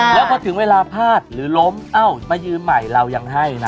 แล้วพอถึงเวลาพลาดหรือล้มเอ้ามายืมใหม่เรายังให้นะ